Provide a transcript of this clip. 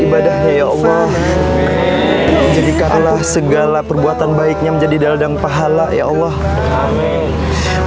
ibadahnya ya allah jadikanlah segala perbuatan baiknya menjadi daldang pahala ya allah amin